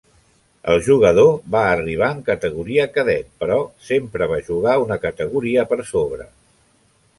El jugador va arribar en categoria cadet, però sempre va jugar una categoria per sobre.